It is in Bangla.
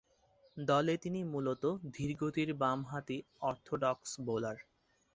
দলে তিনি মূলতঃ ধীরগতির বামহাতি অর্থোডক্স বোলার।